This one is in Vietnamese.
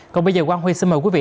còn bây giờ quang huy xin mời quý vị